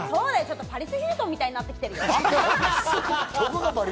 パリス・ヒルトンみたいになっちゃってるよ。